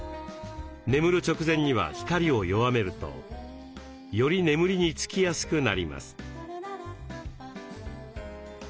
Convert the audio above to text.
眠る直前には光を弱めるとより眠りにつきやすくなります。